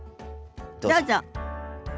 どうぞ。